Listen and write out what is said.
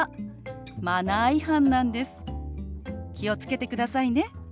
気を付けてくださいね。